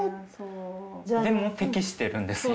でも適してるんですよ。